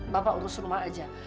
bapak urus rumah aja